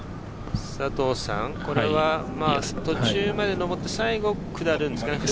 これは途中まで上って最後、下るんですか？